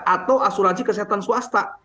atau asuransi kesehatan swasta